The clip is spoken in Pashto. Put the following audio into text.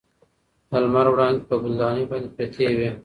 د لمر وړانګې په ګل دانۍ باندې پرتې وې.